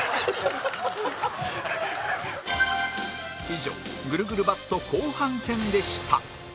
以上ぐるぐるバット後半戦でした